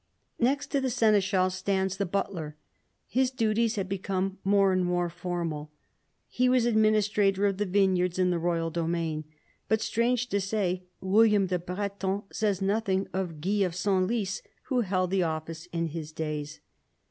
Next to the seneschal stands the butler. His duties had become more and more formal. He was adminis trator of the vineyards in the royal domain, but, strange to say, William the Breton says nothing of Guy of Senlis who held the office in his days.